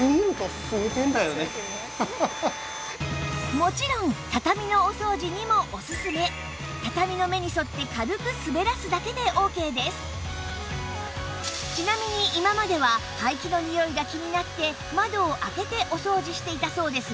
もちろんちなみに今までは排気のにおいが気になって窓を開けてお掃除していたそうですが